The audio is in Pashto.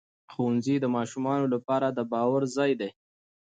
ښوونځی د ماشومانو لپاره د باور ځای دی